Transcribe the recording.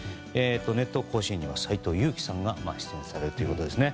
「熱闘甲子園」には斎藤佑樹さんが出演されるということですね。